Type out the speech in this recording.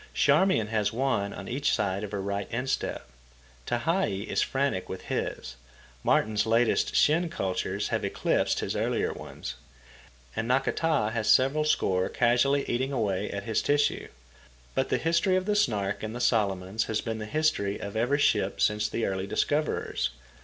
Charmian has one on each side of her right instep. Tehei is frantic with his. Martin's latest shin cultures have eclipsed his earlier ones. And Nakata has several score casually eating away at his tissue. But the history of the Snark in the Solomons has been the history of every ship since the early discoverers.